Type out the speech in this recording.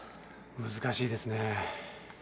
難しいですね。